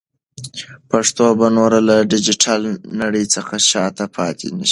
پښتو به نور له ډیجیټل نړۍ څخه شاته پاتې نشي.